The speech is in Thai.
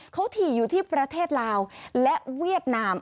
เขาถี่อยู่ที่ประเทศลาวและเวียดนาม